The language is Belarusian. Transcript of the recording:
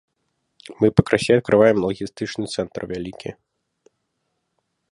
Мы пакрысе адкрываем лагістычны цэнтр вялікі.